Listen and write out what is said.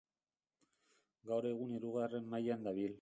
Gaur egun Hirugarren Mailan dabil.